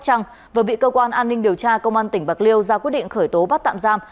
trăng vừa bị cơ quan an ninh điều tra công an tỉnh bạc liêu ra quyết định khởi tố bắt tạm giam